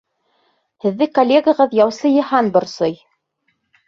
Һеҙҙе коллегағыҙ яусы Йыһан борсой.